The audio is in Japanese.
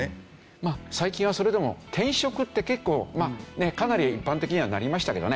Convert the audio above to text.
まあ最近はそれでも転職って結構かなり一般的にはなりましたけどね。